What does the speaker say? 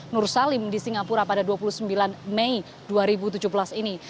nur salim di singapura pada dua puluh sembilan mei dua ribu tujuh belas ini